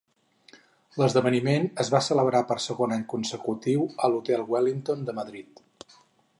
L'esdeveniment es va celebrar per segon any consecutiu a l'Hotel Wellington de Madrid.